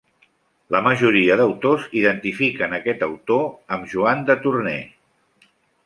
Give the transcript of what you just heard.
La majoria d'autors identifiquen aquest autor amb Joan de Tournai.